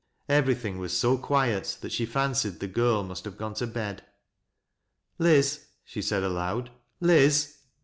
Everything was bo quiet that she fancied the gin must have gone to bed. " Liz," she said aloud. " Liz !